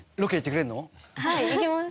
はい行きます。